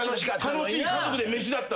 楽しい家族で飯だったのに。